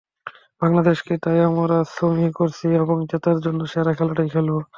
বাংলাদেশকে তাই আমরা সমীহ করছি এবং জেতার জন্য সেরা খেলাটাই খেলব।